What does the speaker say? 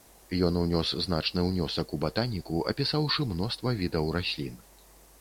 Ён унёс значны ўнёсак у батаніку, апісаўшы мноства відаў раслін.